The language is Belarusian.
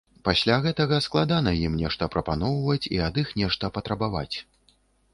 Пасля гэтага складана ім нешта прапаноўваць і ад іх нешта патрабаваць.